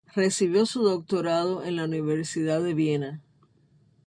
Recibió su doctorado en la universidad de Viena.